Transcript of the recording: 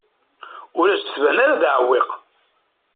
Ur as-d-tban ara d aɛewwiq.